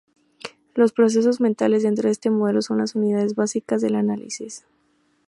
Los procesos mentales —dentro de este modelo— son las unidades básicas del análisis.